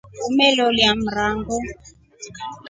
Umeloliya mrango.